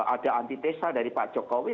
ada antitesa dari pak jokowi